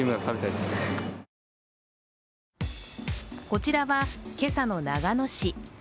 こちらは今朝の長野市。